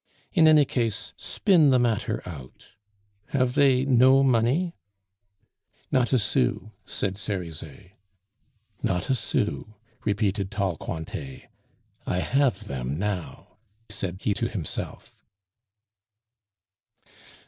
In any case, spin the matter out. ... Have they no money?" "Not a sou," said Cerizet. "Not a sou," repeated tall Cointet. "I have them now," said he to himself.